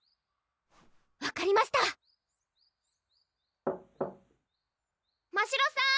分かりました・・ましろさん